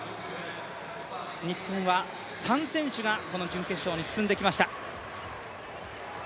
日本は３選手がこの準決勝に進んできました。